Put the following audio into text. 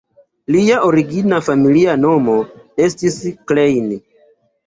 Lia origina familia nomo estis "Klein".